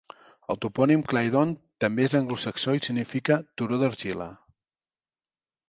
El topònim Claydon també és anglosaxó i significa "turó d'argila".